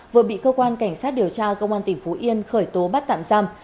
vừa bị cơ quan cảnh sát điều tra công an tp long xuyên khởi tố bắt tạm giam